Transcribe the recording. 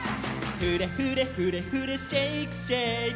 「フレフレフレフレシェイクシェイク」